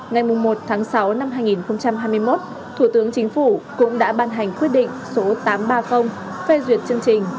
ngày một sáu hai nghìn hai mươi một thủ tướng chính phủ cũng đã ban hành quyết định số tám trăm ba mươi phê duyệt chương trình